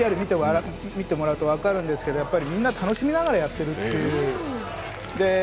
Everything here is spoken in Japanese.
ただ、やっぱりＶＴＲを見てもらうと分かるんですけどやっぱりみんな楽しみながらやってるという。